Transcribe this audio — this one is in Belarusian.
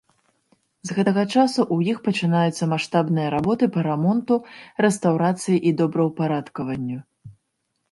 З гэтага часу ў іх пачынаюцца маштабныя работы па рамонту, рэстаўрацыі і добраўпарадкаванню.